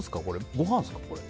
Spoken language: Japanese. ごはんですか？